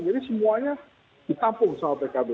jadi semuanya di tampung sama pkb